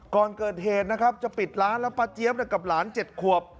ก่อนเกิดเหตุนะครับจะปิดร้านแล้วป้าเจี๊ยบกับหลาน๗ขวบ